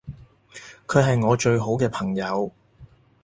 佢係我最好嘅朋友